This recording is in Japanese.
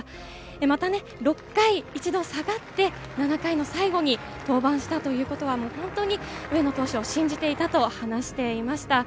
またね、６回、一度下がって、７回の最後に登板したということは、もう本当に上野投手を信じていたと話していました。